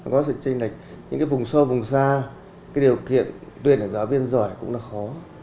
có sự tranh lệch những vùng sâu vùng xa điều kiện tuyển giáo viên giỏi cũng khó